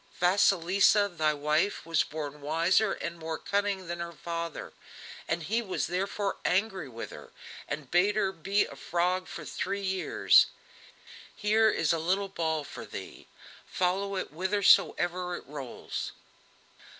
Vasilisa, thy wife, was born wiser and more cunning than her father; he was therefore angry with her, and bade her be a frog for three years. Here is a little ball for thee, follow it whithersoever it rolls."